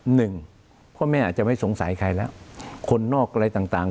หนึ่งพ่อแม่อาจจะไม่สงสัยใครแล้วคนนอกอะไรต่างต่าง